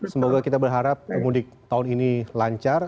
semoga kita berharap mudik tahun ini lancar